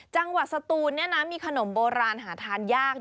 จังหวัดสตูนมีขนมโบราณหาทานยาก